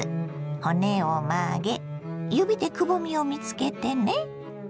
骨を曲げ指でくぼみを見つけてね。